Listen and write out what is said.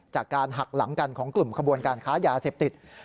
จากการหักหลังกันของกลุ่มขบวนการค้ายาเสพติด